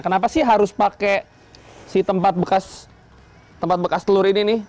kenapa sih harus pakai si tempat bekas telur ini nih